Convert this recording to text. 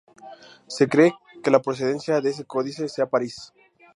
Se cree que la procedencia de este códice sea París.